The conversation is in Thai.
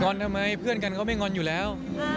อนทำไมเพื่อนกันเขาไม่งอนอยู่แล้ว